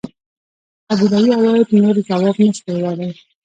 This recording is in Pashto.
قبیلوي قواعد نور ځواب نشوای ویلای.